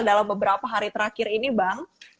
dalam beberapa hari terakhir ini bang